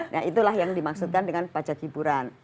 nah itulah yang dimaksudkan dengan pajak hiburan